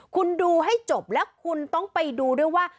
คุณดูให้จบแล้วคุณต้องไปดูด้วยว่า